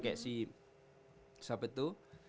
kayak si siapa itu